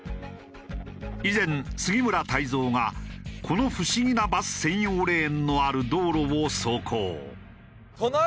以前杉村太蔵がこの不思議なバス専用レーンのある道路を走行。